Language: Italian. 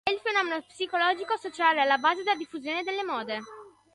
È il fenomeno psicologico-sociale alla base della diffusione delle "mode".